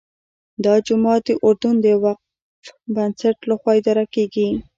دا جومات د اردن د وقف بنسټ لخوا اداره کېږي.